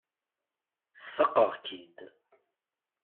Sfaqeɣ-k-id.